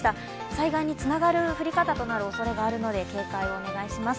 災害につながる降り方となるおそれがあるので、警戒をお願いします。